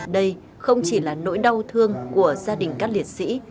đây không chỉ là nỗi đau thương của gia đình các liệt sĩ